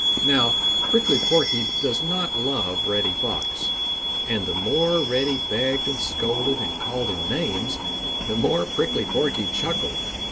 Now Prickly Porky does not love Reddy Fox, and the more Reddy begged and scolded and called him names, the more Prickly Porky chuckled.